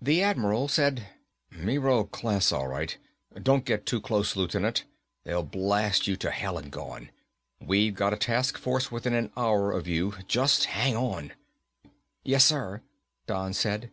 The Admiral said, "Miro class, all right. Don't get too close, Lieutenant. They'll blast you to hell and gone. We've got a task force within an hour of you. Just hang on." "Yes, sir," Don said.